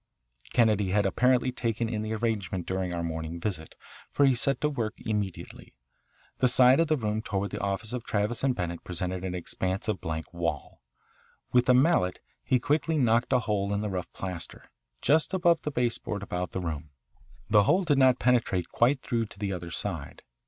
Kennedy had apparently taken in the arrangement during our morning visit, for he set to work immediately. The side of the room toward the office of Travis and Bennett presented an expanse of blank wall. With a mallet he quickly knocked a hole in the rough plaster, just above the baseboard about the room. The hole did not penetrate quite through to the other side.